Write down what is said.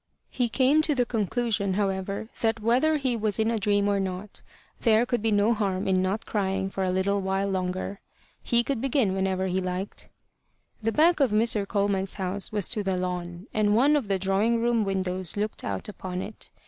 He came to the conclusion, however, that, whether he was in a dream or not, there could be no harm in not crying for a little while longer: he could begin whenever he liked. The back of Mr. Coleman's house was to the lawn, and one of the drawing room windows looked out upon it.